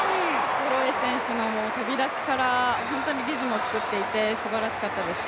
ホロウェイ選手の飛び出しから本当にリズムを作っていてすばらしかったです。